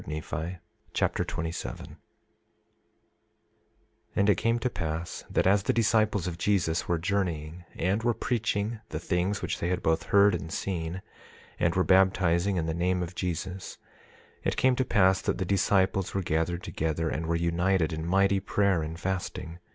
3 Nephi Chapter 27 27:1 And it came to pass that as the disciples of Jesus were journeying and were preaching the things which they had both heard and seen, and were baptizing in the name of Jesus, it came to pass that the disciples were gathered together and were united in mighty prayer and fasting.